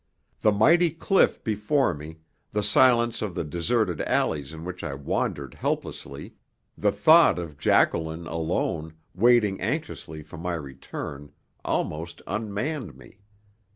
The mighty cliff before me, the silence of the deserted alleys in which I wandered helplessly, the thought of Jacqueline alone, waiting anxiously for my return, almost unmanned me.